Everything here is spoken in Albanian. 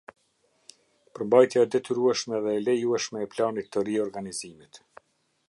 Përmbajtja e detyrueshme dhe e lejueshme e planit të riorganizimit.